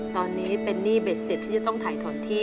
ตอนนี้เป็นหนี้เบ็ดเสร็จที่จะต้องถ่ายถอนที่